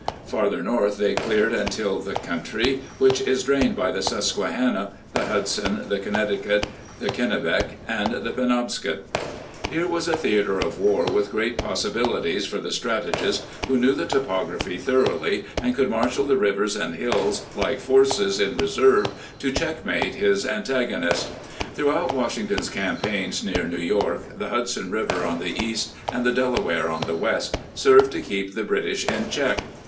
Farther north they cleared and tilled the country which is drained by the Susquehanna, the Hudson,, the Connecticut, the Kennebec, and the Penobscot. [ 3 ] The Private Soldier Under Washington Here was a theatre of war with great possibili ties for the strategist who knew the topography thoroughly, and could marshal the rivers and hills like forces in reserve to checkmate his antagonist. Throughout Washington's campaigns near New York the Hudson River on the east and the Dela ware on the west served to keep the British in check.